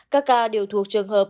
các ca đều thuộc trường hợp